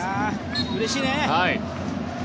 うれしいね。